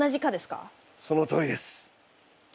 そのとおりです。